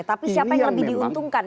tapi siapa yang lebih diuntungkan